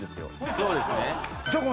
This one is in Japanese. そうですね。